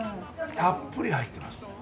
たっぷり入ってます。